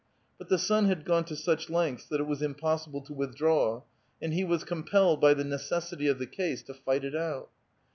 But the son had gone to such lensfths that it was impossible to withdraw, and he was compelled by the necessity of the case to fight it out.